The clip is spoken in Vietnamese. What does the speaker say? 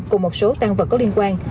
cùng một số tăng vật có liên quan